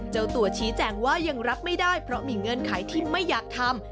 เจ้าตัวชี้แจงว่ายังรับไม่ได้เพราะมีเงื่อนไขที่ไม่อยากทำ